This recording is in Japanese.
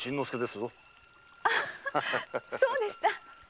あそうでした。